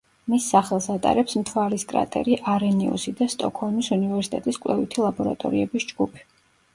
მის სახელს ატარებს მთვარის კრატერი არენიუსი და სტოკჰოლმის უნივერსიტეტის კვლევითი ლაბორატორიების ჯგუფი.